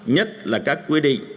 nhất là các quy định